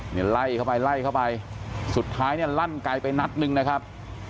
เนี่ยไล่เข้าไปไล่เข้าไปสุดท้ายเนี่ยลั่นไกลไปนัดหนึ่งนะครับ